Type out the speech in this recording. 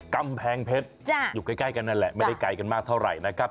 กำแพงเพชรอยู่ใกล้กันนั่นแหละไม่ได้ไกลกันมากเท่าไหร่นะครับ